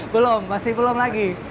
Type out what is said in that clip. belum masih belum lagi